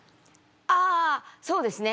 あそうですね。